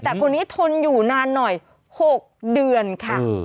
แต่คนนี้ทนอยู่นานหน่อย๖เดือนค่ะ